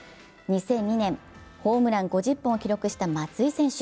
２００２年、ホームラン５０本を記録した松井選手。